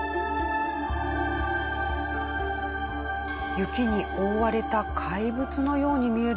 雪に覆われた怪物のように見えるのは灯台。